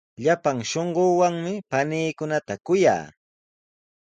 Llapan shunquuwanmi paniikunata kuyaa.